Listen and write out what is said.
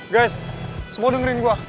guys semua dengerin gua